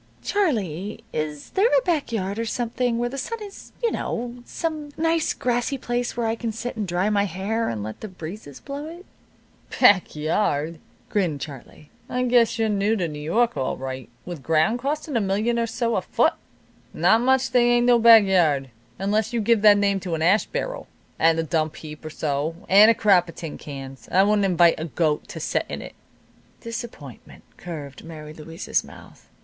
"Charlie, is there a back yard, or something, where the sun is, you know some nice, grassy place where I can sit, and dry my hair, and let the breezes blow it?" "Back yard!" grinned Charlie. "I guess you're new to N' York, all right, with ground costin' a million or so a foot. Not much they ain't no back yard, unless you'd give that name to an ash barrel, and a dump heap or so, and a crop of tin cans. I wouldn't invite a goat to set in it." Disappointment curved Mary Louise's mouth.